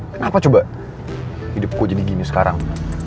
kenapa coba hidup gue jadi gini sekarang